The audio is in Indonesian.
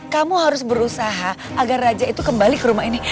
kamu harus berusaha agar raja itu kembali ke rumah ini